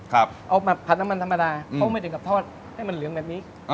เอามาผัดน้ำมันธรรมดาเขาไม่ถึงกับทอดให้มันเหลืองแบบนี้